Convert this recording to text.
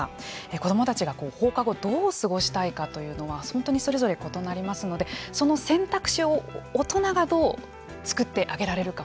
子どもたちが放課後どう過ごしたいかというのは本当にそれぞれ異なりますのでその選択肢を大人がどう作ってあげられるか。